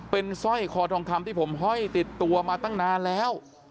เป็นสร้อยคอทองคำที่ผมห้อยติดตัวมาตั้งนานแล้ว